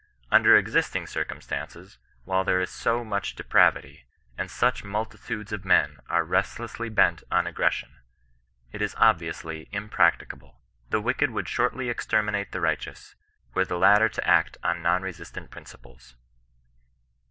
Under existing circumstances, while there is so much depravity, and such multitudes of men are restlessly bent on aggres sion, it is obviously impracticable. The wicked would shortly exterminate the righteous, were the latter to act on non resistant principles."